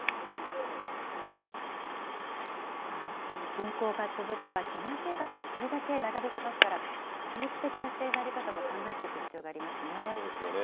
侵攻が続けば、避難生活もそれだけ長引きますから、長期的な支援の在り方も考えていく必要がありますね。